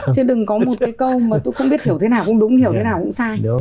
chứ đừng có một cái câu mà tôi không biết hiểu thế nào cũng đúng hiểu thế nào cũng sai